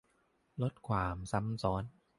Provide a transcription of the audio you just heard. ลดความซ้ำซ้อน